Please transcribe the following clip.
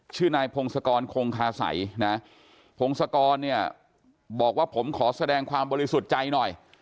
ชื่อนายพงศกรคงคาสัยนะพงศกรเนี่ยบอกว่าผมขอแสดงความบริสุทธิ์ใจหน่อย